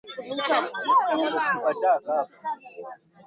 Baada ya Azimio la Arusha vyombo vya habari nchini